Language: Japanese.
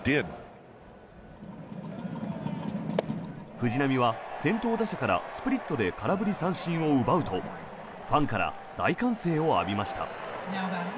藤浪は先頭打者からスプリットで空振り三振を奪うとファンから大歓声を浴びました。